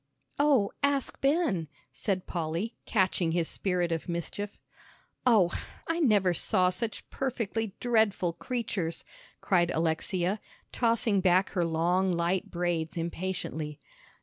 "Oh, ask Ben," said Polly, catching his spirit of mischief. "Oh, I never saw such perfectly dreadful creatures," cried Alexia, tossing back her long light braids impatiently.